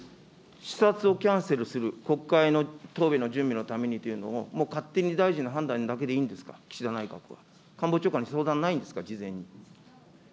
視察をキャンセルする、国会の答弁の準備のためにというのを、もう勝手に大臣の判断だけでいいんですか、岸田内閣は、官房長官に相談ないんですか、事前に。